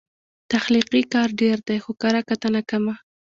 تخلیقي کار ډېر دی، خو کرهکتنه کمه